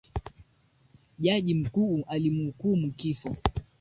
Jaji mkuu alimhukumu kifo